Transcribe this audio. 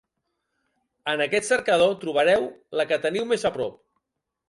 En aquest cercador trobareu la que teniu més a prop.